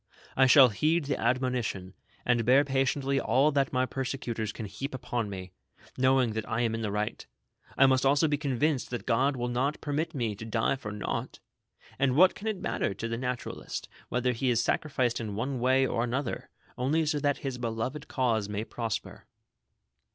I shall heed the admonition, and bear patiently all that my persecutors can heap upon me ; knowing that I am in the riglit, I must also be convinced that God will not per mit me to die for nought ; and what can it matter to the 92 THE SOCIAL WAR OF 1900; OR, nutuialist whether he is sacrificed in one way or another, only so that his beloved cause may prosper."